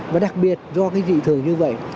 và đặc biệt do cái dị thường như vậy